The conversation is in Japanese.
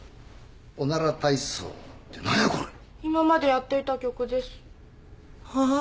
今までやっていた曲です。はあ？